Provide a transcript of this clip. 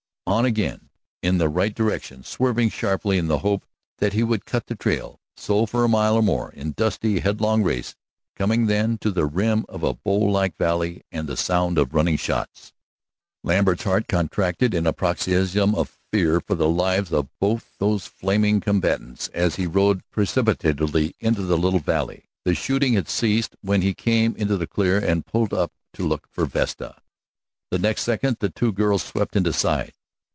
On again in the right direction, swerving sharply in the hope that he would cut the trail. So for a mile or more, in dusty, headlong race, coming then to the rim of a bowl like valley and the sound of running shots. Lambert's heart contracted in a paroxysm of fear for the lives of both those flaming combatants as he rode precipitately into the little valley. The shooting had ceased when he came into the clear and pulled up to look for Vesta. The next second the two girls swept into sight.